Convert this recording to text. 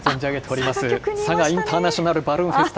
佐賀インターナショナルバルーンフェスタ。